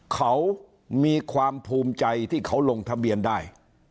เขามีความภูมิใจที่เขาลงทะเบียนได้